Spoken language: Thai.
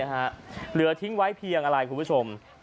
เหลือทิ้งไว้เพียงอะไรคุณผู้ชม